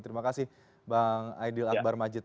terima kasih bang aidil akbar majid